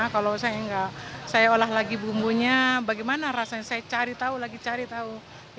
kalau saya olah lagi bumbunya bagaimana rasanya saya cari tahu lagi cari tahu